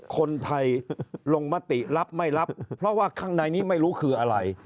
คนไทยลงมติรับไม่รับเพราะว่าข้างในนี้ไม่รู้คืออะไร